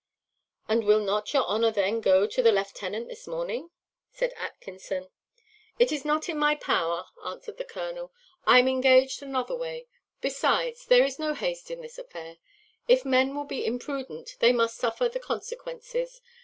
"And will not your honour then go to the lieutenant this morning?" said Atkinson. "It is not in my power," answered the colonel; "I am engaged another way. Besides, there is no haste in this affair. If men will be imprudent they must suffer the consequences.